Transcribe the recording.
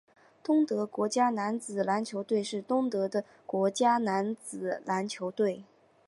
东德国家男子篮球队是东德的国家男子篮球队。